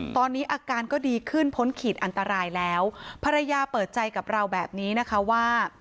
ตอนนี้อาการก็ดีขึ้นพ้นขีดอันตรายแล้วภรรยาเปิดใจกับเราแบบนี้นะคะว่า